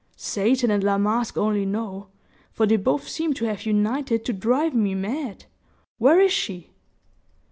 "Satan and La Masque only know; for they both seem to have united to drive me mad. Where is she?"